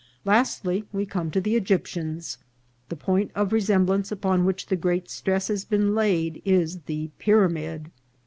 Lastly we come to the Egyptians. The point of re semblance upon which the great stress has been laid is the pyramid.